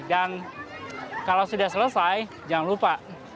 dan kalau sudah selesai jangan lupa